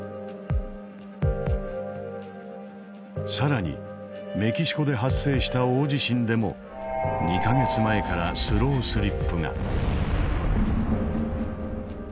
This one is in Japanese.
更にメキシコで発生した大地震でも２か月前からスロースリップが。